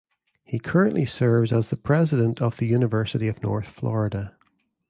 He currently serves as the president of the University of North Florida.